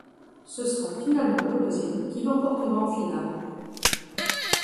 Ce sera finalement le Brésil qui l'emportera en finale.